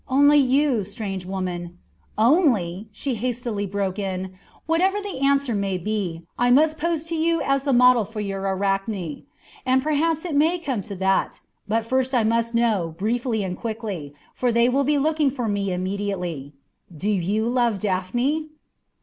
"Only, you strange woman " "Only," she hastily broke in, "whatever the answer may be, I must pose to you as the model for your Arachne and perhaps it may come to that but first I must know, briefly and quickly, for they will be looking for me immediately. Do you love Daphne?"